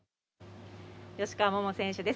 吉川桃選手です。